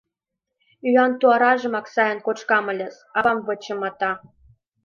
Ӱян туаражымак сайын кочкам ыльыс! — авам вычымата.